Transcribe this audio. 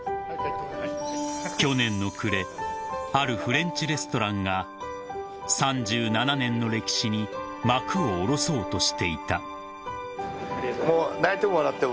［去年の暮れあるフレンチレストランが３７年の歴史に幕を下ろそうとしていた］